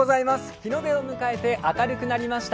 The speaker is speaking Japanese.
日の出を迎えて明るくなりました